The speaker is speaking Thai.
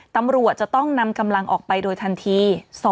ตำรวจจะต้องนำกำลังออกไปโดยทันที